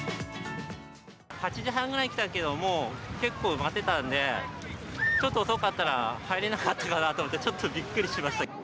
８時半ぐらいに来たけど、もう結構埋まってたんで、ちょっと遅かったら、入れなかったかなと思って、ちょっとびっくりしました。